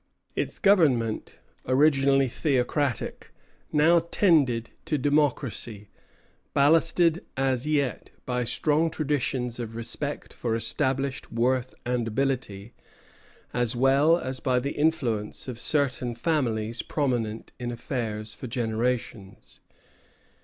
Its government, originally theocratic, now tended to democracy, ballasted as yet by strong traditions of respect for established worth and ability, as well as by the influence of certain families prominent in affairs for generations.